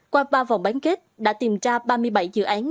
qua ba vòng bán kết đã tìm ra ba mươi bảy dự án